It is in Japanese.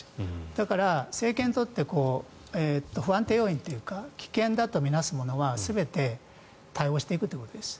だから、政権にとって不安定要因というか危険だと見なすものは全て対応していくということです。